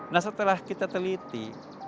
nah setelah kita teliti